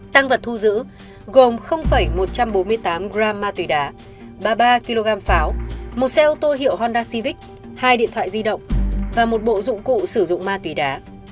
tăng vật thu giữ gồm một trăm bốn mươi tám gram ma túy đá ba mươi ba kg pháo một xe ô tô hiệu hondasivic hai điện thoại di động và một bộ dụng cụ sử dụng ma túy đá